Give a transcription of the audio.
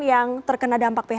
yang terkena dampak phk